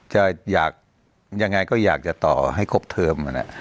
จะอยากยังไงก็อยากจะต่อให้ครบเทิม